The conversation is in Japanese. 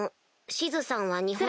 シズさんは日本。